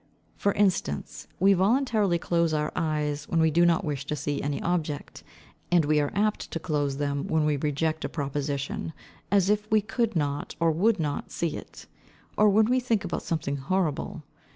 For instance, we voluntarily close our eyes when we do not wish to see any object, and we are apt to close them, when we reject a proposition, as if we could not or would not see it; or when we think about something horrible.